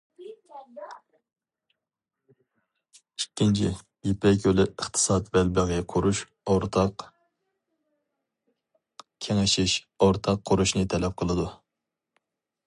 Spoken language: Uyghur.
ئىككىنچى، يىپەك يولى ئىقتىساد بەلبېغى قۇرۇش ئورتاق كېڭىشىش، ئورتاق قۇرۇشنى تەلەپ قىلىدۇ.